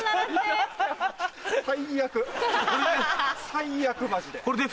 最悪マジで。